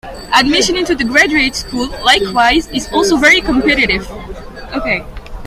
Admission into the graduate school, likewise, is also very competitive.